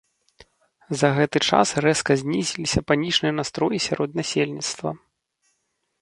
За гэты час рэзка знізіліся панічныя настроі сярод насельніцтва.